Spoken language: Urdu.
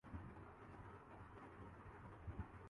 ’سوئی دھاگہ‘ بھارت کی کامیاب